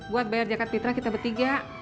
buat bayar zakat fitrah kita bertiga